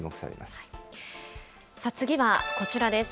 次はこちらです。